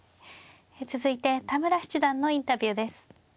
続いて田村七段のインタビューです。